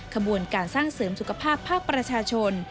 ขบวนการสร้างเสริมสุขภาพภาคประชาชน